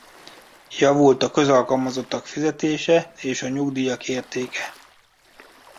Javult a közalkalmazottak fizetése és a nyugdíjak értéke.